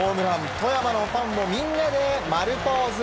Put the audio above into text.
富山のファンもみんなで丸ポーズ！